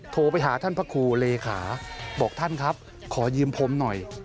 โทรไปหาท่านพระครูเลขาบอกท่านครับขอยืมผมหน่อย